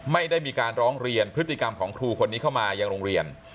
ไม่ได้มีการร้องเรียนพฤติกรรมของครูคนนี้เข้ามายังโรงเรียน